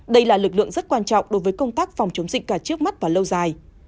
đây là lực lượng rất quan trọng đối với công tác phòng chống dịch cả trước mắt và lâu dài